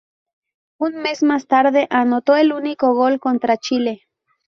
Un mes más tarde, anotó el único gol contra Chile.